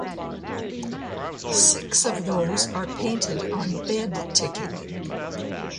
Six of those are painted on bed ticking.